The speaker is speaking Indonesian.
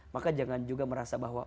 maka jangan juga merasa bahwa